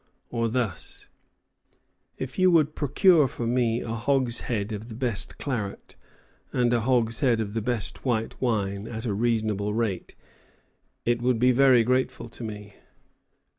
Or thus: "If you would procure for me a hogshead of the best Clarett, and a hogshead of the best white wine, at a reasonable rate, it would be very grateful to me."